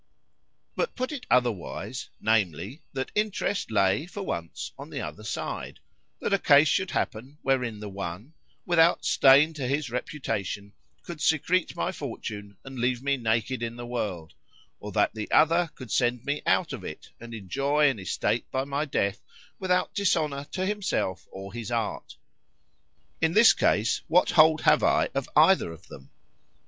"But put it otherwise, namely, "that interest lay, for once, on the other side; that a case should happen, wherein the one, without stain to his reputation, could secrete my fortune, and leave me naked in the world;—or that the other could send me out of it, and enjoy an estate by my death, without dishonour to himself or his art:—In this case, what hold have I of either of them?